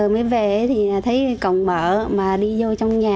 mới về thì thấy cổng mở mà đi vô trong nhà